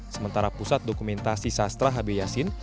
sementara pusat dokumen sastra hp yasin